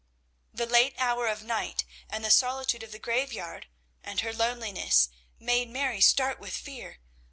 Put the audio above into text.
The late hour of night and the solitude of the graveyard and her loneliness made Mary start with fear.